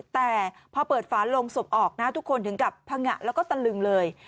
แต่พอเปิดฝาลงศพออกนะทุกคนถึงกับพังงะแล้วก็ตะลึงเลย